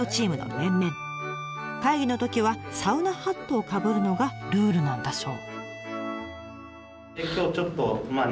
会議のときはサウナハットをかぶるのがルールなんだそう。